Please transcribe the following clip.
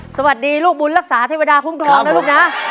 สวัสดีลูกบุญรักษาอธิวดาภูมิทรองนะลูกนะ